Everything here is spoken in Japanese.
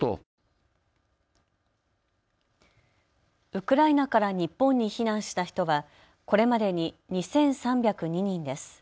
ウクライナから日本に避難した人はこれまでに２３０２人です。